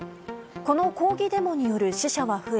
この抗議デモによる死者は増え